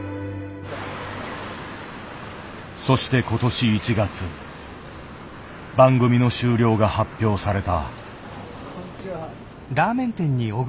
そして今年１月番組の終了が発表された。